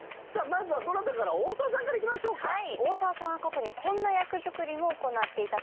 まずはどなたから大沢さんからいきましょうかはい大沢さんは過去にこんな役作りも行っていたそうです